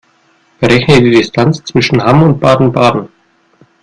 Berechne die Distanz zwischen Hamm und Baden-Baden